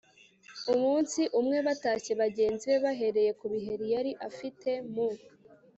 umunsi umwe batashye, bagenzi be bahereye ku biheri yari afite mu